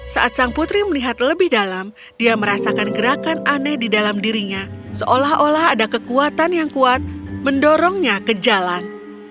saat sang putri melihat lebih dalam dia merasakan gerakan aneh di dalam dirinya seolah olah ada kekuatan yang kuat mendorongnya ke jalan